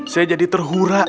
saya jadi terhura